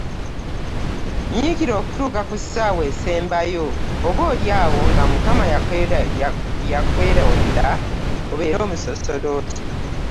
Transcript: Nyiikira okutuuka ku ssaawa erisembayo oba oli awo nga Mukama yakwerondera obeere musaserdooti.